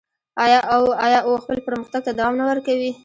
آیا او خپل پرمختګ ته دوام نه ورکوي؟